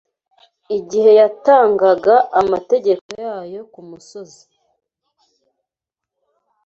igihe yatangaga amategeko yayo ku musozi